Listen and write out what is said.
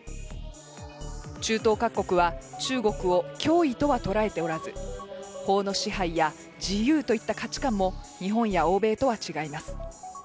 中東各国は中国を脅威とは捉えておらず、法の支配や自由といった価値観も日本や欧米とは違います。